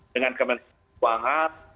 dengan kementerian keuangan